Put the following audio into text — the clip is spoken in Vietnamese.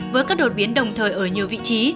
với các đột biến đồng thời ở nhiều vị trí